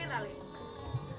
ini tidak ada apa apa